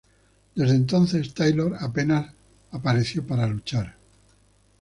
Desde entonces, Taylor apenas apareció para luchar.